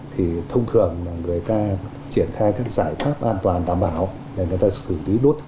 thì thông thường là người ta triển khai các giải pháp an toàn đảm bảo để người ta xử lý đốt